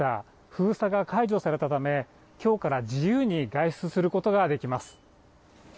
封鎖が解除されたため、今日から自由に外出することができます。